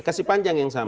kasih panjang yang sama